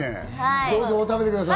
どうぞ食べてください。